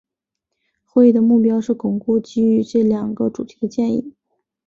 会议的目标是巩固基于这两个主题的建议。